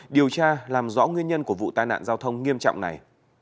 điều tra làm rõ nguyên nhân của vụ tai nạn giao thông nghiêm trọng này